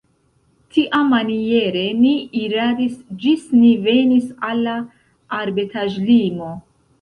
Tiamaniere ni iradis ĝis ni venis al la arbetaĵlimo.